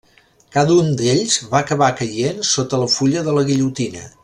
Cada un d'ells va acabar caient sota la fulla de la guillotina.